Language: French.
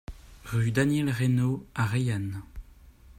Rue Daniel Reynaud à Reillanne